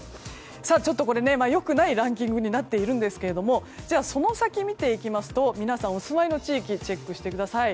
ちょっと良くないランキングになっているんですがその先を見ていきますと皆さん、お住まいの地域をチェックしてください。